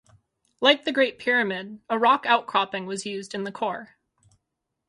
Like the Great Pyramid, a rock outcropping was used in the core.